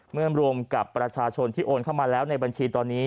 รวมกับประชาชนที่โอนเข้ามาแล้วในบัญชีตอนนี้